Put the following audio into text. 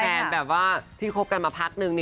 แบบว่าที่คบกันมาพักนึง